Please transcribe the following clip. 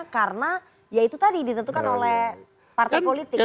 karena ya itu tadi ditentukan oleh partai politik